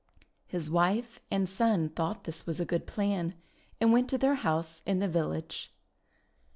His wife and son thought that this was a good plan, and went to their house in the village.